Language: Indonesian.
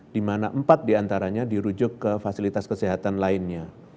dimana empat diantaranya dirujuk ke fasilitas kesehatan lainnya